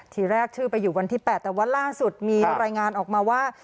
ทีแรกชื่อไปอยู่วันที่๘แต่ว่าล่าสุดมีรายงานออกมาว่า